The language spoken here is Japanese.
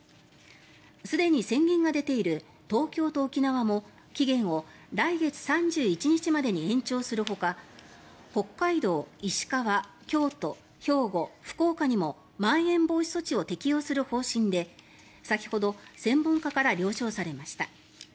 すでに宣言が出ている東京と沖縄も期限を来月３１日までに延長するほか北海道、石川、京都、兵庫福岡にもまん延防止措置を適用する方針で先ほど、専門家から了承されました。